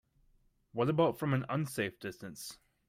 What about from an unsafe distance?